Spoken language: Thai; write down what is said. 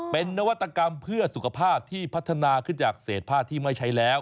เป็นนวัตกรรมเพื่อสุขภาพที่พัฒนาขึ้นจากเศษผ้าที่ไม่ใช้แล้ว